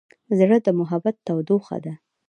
زړه د محبت تودوخه ده.